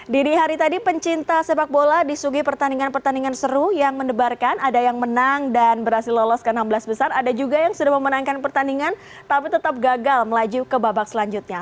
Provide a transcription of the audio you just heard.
di hari tadi pencinta sepak bola di sugi pertandingan pertandingan seru yang mendebarkan ada yang menang dan berhasil lolos ke enam belas besar ada juga yang sudah memenangkan pertandingan tapi tetap gagal melaju ke babak selanjutnya